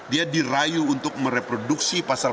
dia dirayu untuk mereproduksi pasal